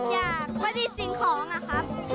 อยากบริสิทธิ์ของอ่ะครับ